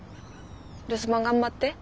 留守番頑張って。